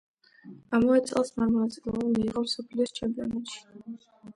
ამავე წელს მან მონაწილეობა მიიღო მსოფლიოს ჩემპიონატში.